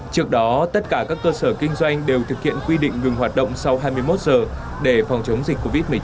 trước đó tất cả các cơ sở kinh doanh đều thực hiện quy định ngừng hoạt động sau hai mươi một giờ để phòng chống dịch covid một mươi chín